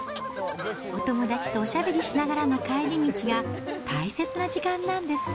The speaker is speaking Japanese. お友達とおしゃべりしながらの帰り道が大切な時間なんですって。